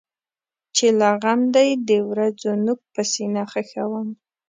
چې له غم دی د ورځو نوک په سینه خښوم.